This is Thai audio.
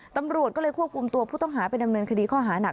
ตำรวจก็เลยควบคุมตัวผู้ต้องหาไปดำเนินคดีข้อหานัก